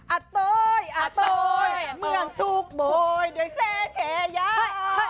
อะโต๊ยอะโต๊ยเมืองทุกโบยโดยแซ่เฉยา